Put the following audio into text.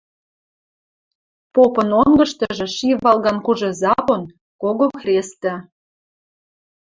Попын онгышкыжы ши валган кужы «запон», кого хрестӹ.